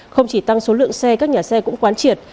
không chỉ tăng số lượng xe các nhà xe cũng quán triệt